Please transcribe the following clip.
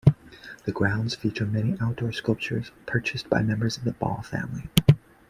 The grounds feature many outdoor sculptures purchased by members of the Ball family.